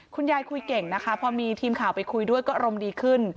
คุณยายคุยเก่งนะคะพอมีทีมข่าวไปคุยด้วยก็อารมณ์ดีขึ้น